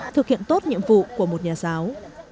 thực hiện tốt nhiệm vụ của một nhà giáo